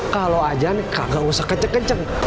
kalau ajaran kagak usah kecek kecek